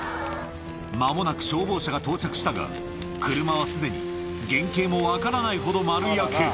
まもなく消防車が到着したが、車はすでに原形も分からないほど丸焼け。